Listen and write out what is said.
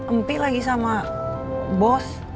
ibu lagi sama bos